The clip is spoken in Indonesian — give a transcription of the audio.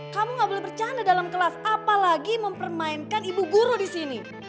kamu gak boleh bercanda dalam kelas apalagi mempermainkan ibu guru di sini